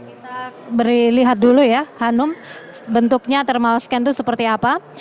kita beri lihat dulu ya hanum bentuknya thermal scan itu seperti apa